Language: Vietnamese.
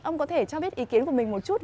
ông có thể cho biết ý kiến của mình một chút